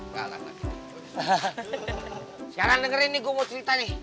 sekarang dengerin nih gue mau cerita nih